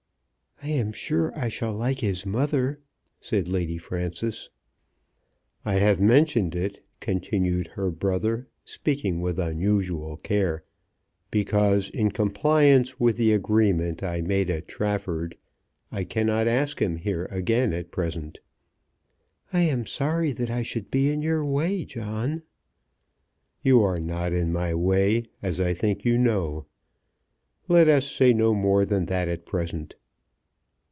"I am sure I shall like his mother," said Lady Frances. "I have mentioned it," continued her brother, speaking with unusual care, "because, in compliance with the agreement I made at Trafford, I cannot ask him here again at present." "I am sorry that I should be in your way, John." "You are not in my way, as I think you know. Let us say no more than that at present.